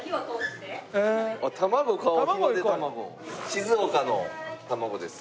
静岡の卵です。